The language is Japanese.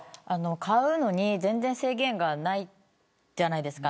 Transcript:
買うことに制限がないじゃないですか。